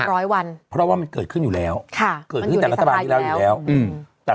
วันครับเพราะว่ามันเกิดขึ้นอยู่แล้วค่ะมันอยู่ในสภาพอยู่แล้วแต่